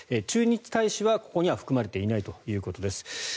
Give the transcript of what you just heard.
駐日大使はここには含まれていないということです。